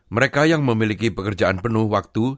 mereka yang memiliki pekerjaan penuh waktu